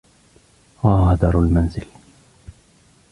غادروا المنزل!